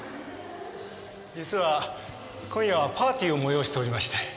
実は今夜はパーティーを催しておりまして。